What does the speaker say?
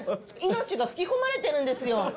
「命が吹き込まれてるんですよ」